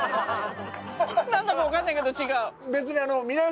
なんだかわかんないけど違う。